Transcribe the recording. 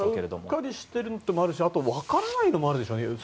うっかりしてるのもあるしあとはわからないのもあるでしょうね。